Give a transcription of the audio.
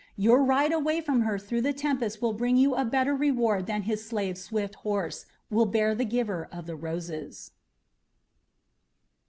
Your ride away from her through the tempest will bring you a better reward than his slave's swift horse will bear the giver of the roses."